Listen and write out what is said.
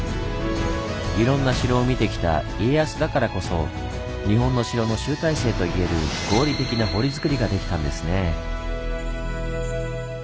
いろんな城を見てきた家康だからこそ日本の城の集大成と言える合理的な堀づくりができたんですねぇ。